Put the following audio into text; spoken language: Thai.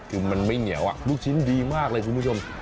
คือมันไม่เหนียวลูกชิ้นดีมากเลยคุณผู้ชม